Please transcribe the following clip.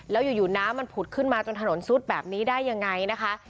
แล้วอยู่น้ำมันผุดขึ้นมาจนถนนซุดแบบนี้ได้ยังไงนะคะ